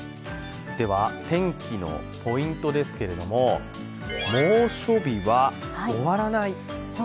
では天気のポイントですけれども猛暑日は終わらない。